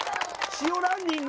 塩ランニング。